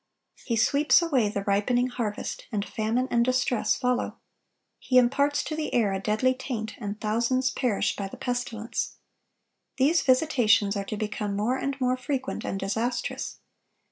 He sweeps away the ripening harvest, and famine and distress follow. He imparts to the air a deadly taint, and thousands perish by the pestilence. These visitations are to become more and more frequent and disastrous.